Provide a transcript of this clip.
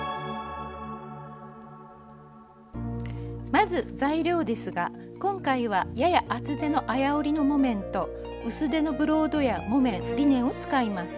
まず材料ですが今回はやや厚手の綾織りの木綿と薄手のブロードや木綿リネンを使います。